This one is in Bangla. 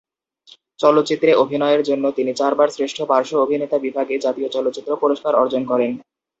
চলচ্চিত্রে অভিনয়ের জন্য তিনি চারবার শ্রেষ্ঠ পার্শ্ব অভিনেতা বিভাগে জাতীয় চলচ্চিত্র পুরস্কার অর্জন করেন।